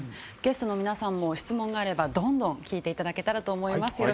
ゲストの皆さんも質問があればどんどん聞いていただけたらと思います。